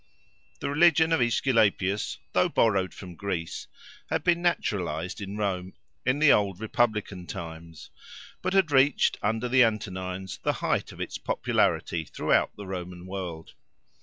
The religion of Aesculapius, though borrowed from Greece, had been naturalised in Rome in the old republican times; but had reached under the Antonines the height of its popularity throughout the Roman world.